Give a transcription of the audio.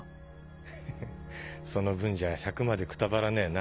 フフフその分じゃ１００までくたばらねえな。